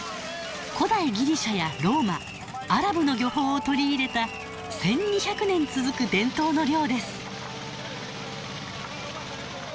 古代ギリシャやローマアラブの漁法を取り入れた１，２００年続く伝統の漁です。